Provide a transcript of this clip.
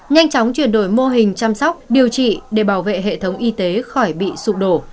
nhanh chóng chuyển đổi mô hình chăm sóc điều trị để bảo vệ hệ thống y tế khỏi bị sụp đổ